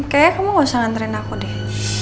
kayaknya kamu gak usah nganterin aku deh